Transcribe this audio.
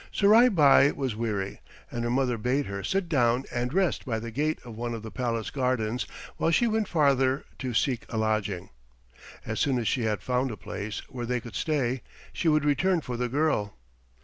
Surai Bai was weary, and her mother bade her sit down and rest by the gate of one of the palace gardens while she went farther to seek a lodging. As soon as she had found a place where they could stay she would return for the girl.